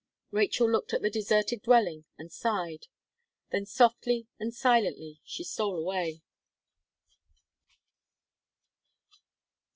Rachel looked at the deserted dwelling and sighed; than softly and silently she stole away.